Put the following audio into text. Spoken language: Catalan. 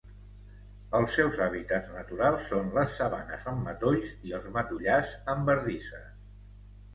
Els seus hàbitats naturals són les sabanes amb matolls i els matollars amb bardisses.